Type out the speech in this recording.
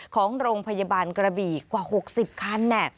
ของโรงพยาบาลกระบี่กว่า๖๐คัน